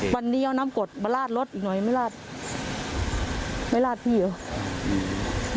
วันนี้เอาน้ำกดมาลาดรถอีกหน่อยไม่ลาดไม่ลาดพี่เหรอ